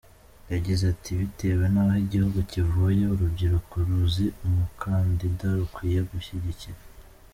Yagize ati “Bitewe n’aho igihugu kivuye, urubyiruko ruzi umukandida rukwiye gushyigikira.